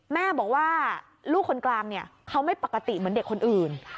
แม่บอกว่าลูกคนกลางเนี่ยเขาไม่ปกติเหมือนเด็กคนอื่น